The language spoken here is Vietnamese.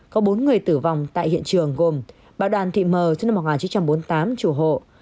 có bốn người tử vong tại hiện trường gồm bà đoàn thị mờ sinh năm một nghìn chín trăm bốn mươi tám chủ hộ